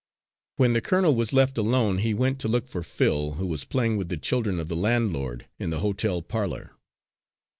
When the colonel was left alone, he went to look for Phil, who was playing with the children of the landlord, in the hotel parlour.